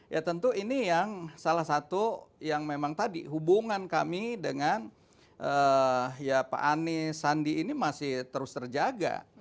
ya tentu ini yang salah satu yang memang tadi hubungan kami dengan ya pak anies sandi ini masih terus terjaga